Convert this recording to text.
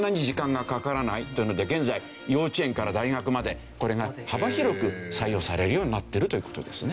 現在幼稚園から大学までこれが幅広く採用されるようになってるという事ですね。